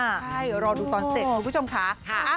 ใช่รอดูตอนเสร็จคุณผู้ชมค่ะ